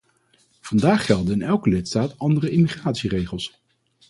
Vandaag gelden in elke lidstaat andere immigratieregels.